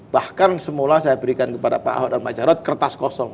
bahkan semula saya berikan kepada pak ahok dan pak jarod kertas kosong